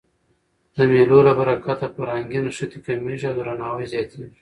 د مېلو له برکته فرهنګي نښتي کمېږي او درناوی زیاتېږي.